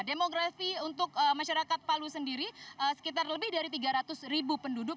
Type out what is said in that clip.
demografi untuk masyarakat palu sendiri sekitar lebih dari tiga ratus ribu penduduk